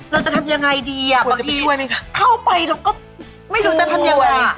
เราจะทำยังไงดีอ่ะบางทีเข้าไปเราก็ไม่รู้จะทำยังไง